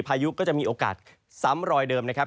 พายุก็จะมีโอกาสซ้ำรอยเดิมนะครับ